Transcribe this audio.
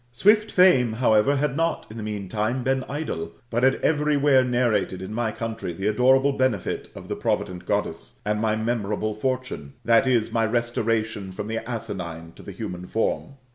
Swift Fame, however, had not in the meantime been idle, but had every where narrated in my country the adorable benefit of the provident Goddess, and my memorable fortune [/>., my restoration from the asinine to the human form].